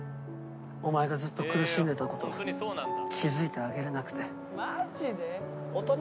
お前がずっと苦しんでたこと気付いてあげれなくて。